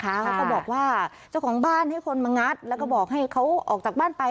เขาก็บอกว่าเจ้าของบ้านให้คนมางัดแล้วก็บอกให้เขาออกจากบ้านไป